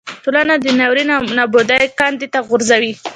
ټولنه د ناورین او نابودۍ کندې ته غورځوي.